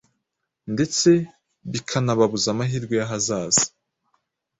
ndetse bikanababuza amahirwe y’ahazaza